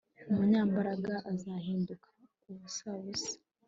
umunyambaraga azahinduka ubusabusa